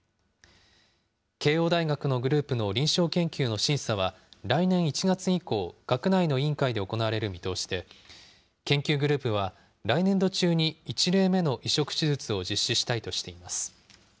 慶応大学のグループの臨床研究の審査は、来年１月以降、学内の委員会で行われる見通しで、研究グループは、来年度中に１例目の移植手術を実施したいとしています。